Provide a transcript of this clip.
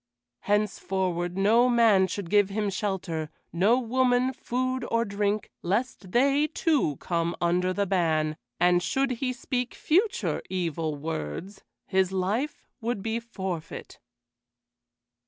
Henceforward no man should give him shelter, no woman food or drink, lest they too come under the ban; and should he speak future evil words, his life would be forfeit.